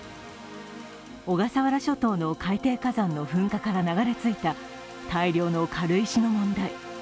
小笠原諸島の海底火山の噴火から流れ着いた大量の軽石の問題。